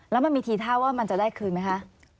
แล้วมันมีทีท่าว่ามันจะได้คืนไหมคะ